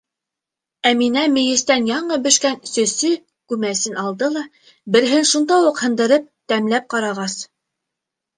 Әминә мейестән яңы бешкән сөсө күмәсен алды ла, береһен шунда уҡ һындырып, тәмләп ҡарағас: